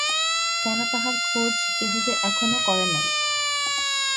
কেন তাহার খোজ কেহ যে আব্ব করে নাই!